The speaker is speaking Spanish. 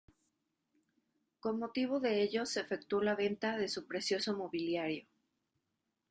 Con motivo de ello se efectuó la venta de su precioso mobiliario.